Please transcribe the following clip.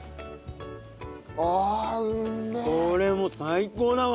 これも最高だわ。